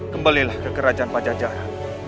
kembalilah ke kerajaan pajajara